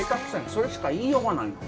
それしか言いようがないの。